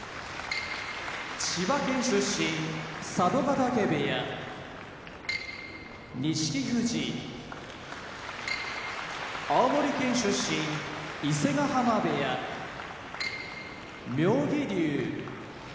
千葉県出身佐渡ヶ嶽部屋錦富士青森県出身伊勢ヶ濱部屋妙義龍